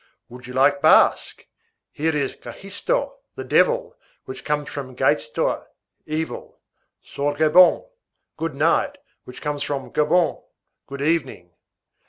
Would you like Basque? Here is gahisto, the devil, which comes from gaïztoa, evil; sorgabon, good night, which comes from gabon, good evening.